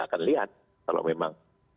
akan lihat kalau memang